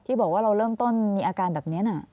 บอกว่าเราเริ่มต้นมีอาการแบบนี้นะ